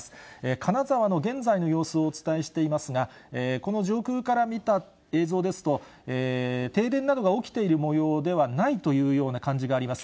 金沢の現在の様子をお伝えしていますが、この上空から見た映像ですと、停電などが起きているもようではないというような感じがあります。